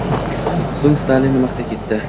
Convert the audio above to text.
So’ng Stalinni maqtay ketdi.